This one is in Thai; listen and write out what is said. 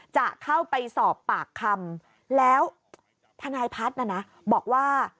จะเข้าไปสอบปากคำแล้วทนายพัฒน์นะนะบอกว่า